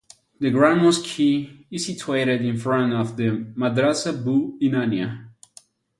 The Grand Mosque is situated in front of the Madrasa Bou Inania.